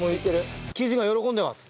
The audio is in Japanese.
生地が喜んでます！